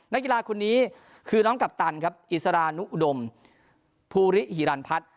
นักกีฬาคนนี้คือน้องกัปตันครับอิสรานุอุดมภูริฮิรันพัฒน์